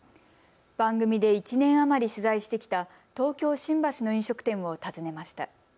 番組で１年余り取材してきた東京新橋の飲食店を訪ねました。